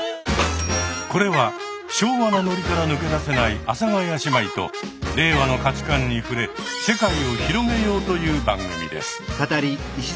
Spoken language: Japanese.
これは昭和なノリから抜け出せない阿佐ヶ谷姉妹と令和の価値観に触れ世界を広げようという番組です。